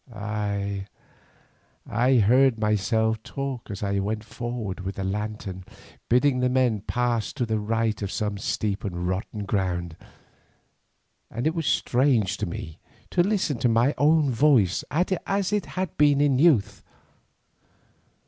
Ay, I heard myself talk as I went forward with the lantern, bidding the men pass to the right of some steep and rotten ground, and it was strange to me to listen to my own voice as it had been in youth.